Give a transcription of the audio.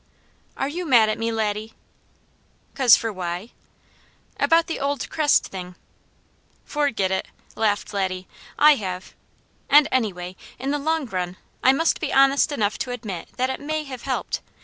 "Are you mad at me, Laddie?" "'Cause for why?" "About the old crest thing!" "Forget it!" laughed Laddie. "I have. And anyway, in the long run, I must be honest enough to admit that it may have helped.